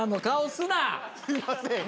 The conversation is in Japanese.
すいません。